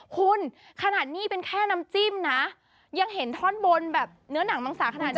คุณขนาดนี้เป็นแค่น้ำจิ้มนะยังเห็นท่อนบนแบบเนื้อหนังมังสาขนาดนี้